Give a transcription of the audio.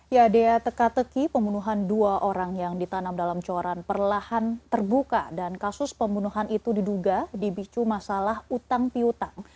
ya dea teka teki pembunuhan dua orang yang ditanam dalam coran perlahan terbuka dan kasus pembunuhan itu diduga dibicu masalah utang piutang